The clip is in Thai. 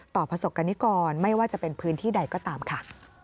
ประสบกรณิกรไม่ว่าจะเป็นพื้นที่ใดก็ตามค่ะ